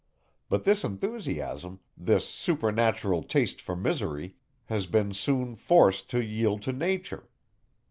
But this enthusiasm, this supernatural taste for misery, has been soon forced to yield to nature.